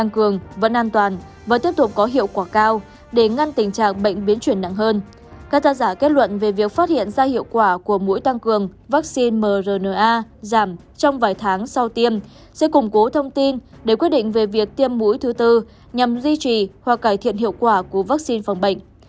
các tác giả kết luận về việc phát hiện ra hiệu quả của mũi tăng cường vaccine mrna giảm trong vài tháng sau tiêm sẽ củng cố thông tin để quyết định về việc tiêm mũi thứ tư nhằm duy trì hoặc cải thiện hiệu quả của vaccine phòng bệnh